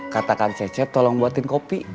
kata kang cecep tolong buatin kopi